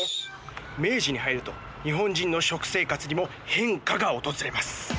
明治に入ると日本人の食生活にも変化が訪れます。